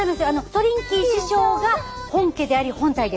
トリンキー師匠が本家であり本体です。